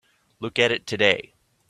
Look at it today.